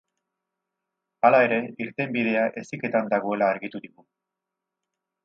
Hala ere irtenbidea heziketan dagoela argitu digu.